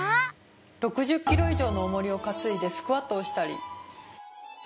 ６０キロ以上のおもりをかついでスクワットをしたり。